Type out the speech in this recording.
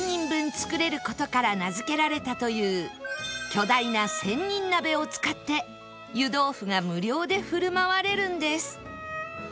作れる事から名付けられたという巨大な仙人鍋を使って湯豆腐が無料で振る舞われるんです